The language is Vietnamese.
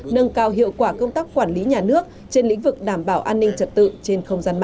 nâng cao hiệu quả công tác quản lý nhà nước trên lĩnh vực đảm bảo an ninh trật tự trên không gian mạng